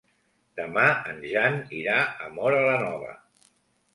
Demà en Jan irà a Móra la Nova.